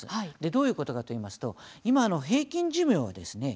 どういうことかといいますと今の平均寿命ですね